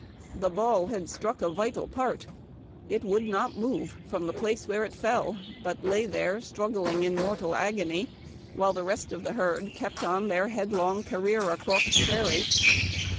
The ball had struck a vital part ; it would not move from the place where it fell, but lay there strug gling in mortal agony, while the rest of the herd kept on their headlong career across the prairie.